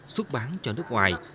xuất bán cho nước ngoài